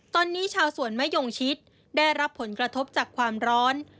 ตอนนี้ชาวสวนมะยงชิดได้รับผลกระทบจากความร้อน